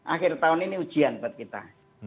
akhir tahun ini ujian buat kita